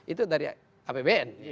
itu dari apbn